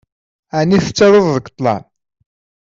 Ɛni tettaruḍ deg ṭṭlam?